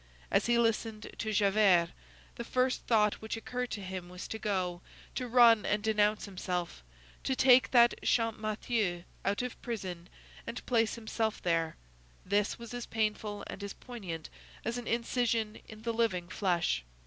As he listened to Javert, the first thought which occurred to him was to go, to run and denounce himself, to take that Champmathieu out of prison and place himself there; this was as painful and as poignant as an incision in the living flesh.